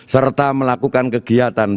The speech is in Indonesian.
serta melakukan kegiatan